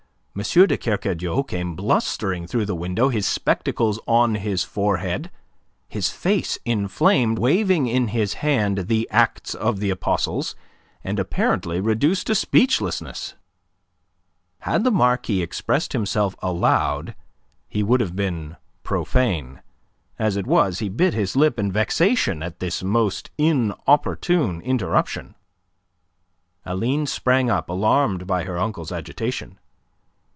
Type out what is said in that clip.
de Kercadiou came blustering through the window, his spectacles on his forehead, his face inflamed, waving in his hand "The Acts of the Apostles," and apparently reduced to speechlessness. Had the Marquis expressed himself aloud he would have been profane. As it was he bit his lip in vexation at this most inopportune interruption. Aline sprang up, alarmed by her uncle's agitation.